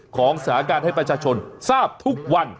ของสถานการณ์ให้ประชาชนทราบทุกวัน